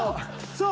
そう！